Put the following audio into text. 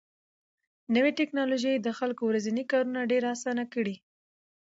نوې ټکنالوژي د خلکو ورځني کارونه ډېر اسانه کړي